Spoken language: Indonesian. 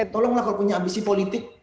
tolonglah kalau punya ambisi politik